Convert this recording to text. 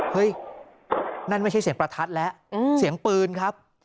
นั่นไม่ใช่เสียงประทัดแล้วเสียงปืนครับ